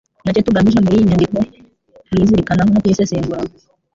ni nacyo tugamije muri iyi nyandiko kuyizirikanaho no kuyisesengura,